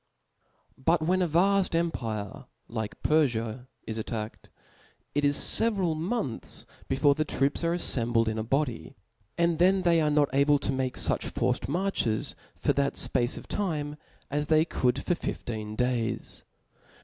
But when a vaft empire, like Perfiai is attacked, it is fcveral months before the troops are aflembled in a body ; and then they are not able to make fuch forced marches for that fpace of time, as they could for fifteen days.